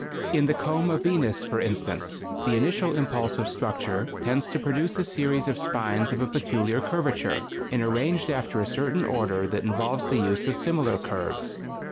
In the comb of Venus, for instance, the initial impulse of structure tends to produce a series of spines of a peculiar curvature, and arranged after a certain order that involves the use of similar curves.